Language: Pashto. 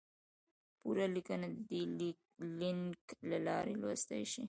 پوره لیکنه د دې لینک له لارې لوستی شئ!